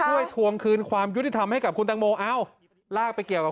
ทวงคืนความยุติธรรมให้กับคุณตังโมเอ้าลากไปเกี่ยวกับ